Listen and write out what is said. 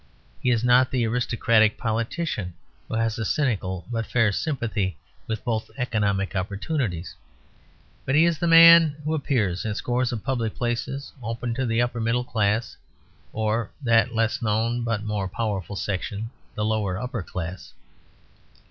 He is not the aristocratic politician, who has a cynical but a fair sympathy with both economic opportunities. But he is the man who appears in scores of public places open to the upper middle class or (that less known but more powerful section) the lower upper class.